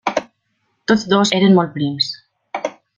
Tots dos eren molt prims.